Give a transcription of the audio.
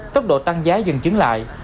tốc độ tăng giá dần chứng lại